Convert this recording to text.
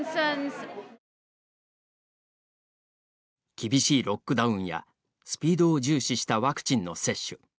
厳しいロックダウンやスピードを重視したワクチンの接種。